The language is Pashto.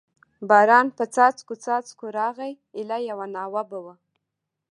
باران په څاڅکو څاڅکو راغی، ایله یوه ناوه به و.